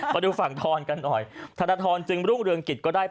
มาดูฝั่งทอนกันหน่อยธนทรจึงรุ่งเรืองกิจก็ได้